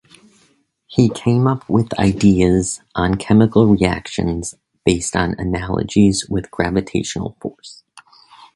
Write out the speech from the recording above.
He came up with ideas on chemical reactions based on analogies with gravitational force.